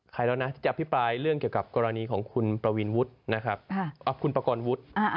ใครเนี่ยจะอภิปรายเรื่องเกี่ยวกับกรณีของคุณปราหญวูดนะครับอ่ะคุณปกรณ์วูด